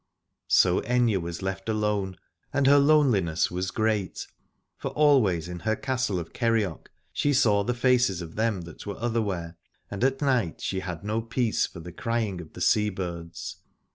So Aithne was left alone, and her loneli ness was great: for always in her castle of Kerioc she saw the faces of them that were otherwhere, and at night she had no peace for the crying of the sea birds.